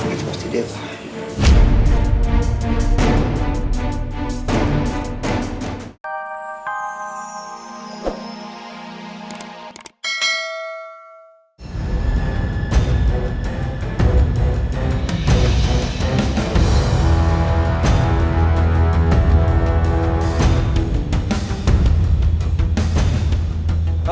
itu pasti dia pak